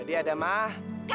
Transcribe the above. jadi ada mah